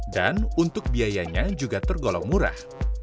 dan untuk biayanya juga tergolong murah